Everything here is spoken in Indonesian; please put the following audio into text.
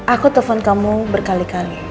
aku telpon kamu berkali kali